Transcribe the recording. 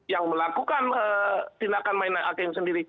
yang melakukan tindakan mainan alking sendiri